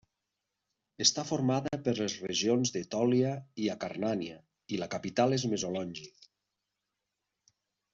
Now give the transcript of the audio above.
Està formada per les regions d'Etòlia i d'Acarnània, i la capital és Mesolongi.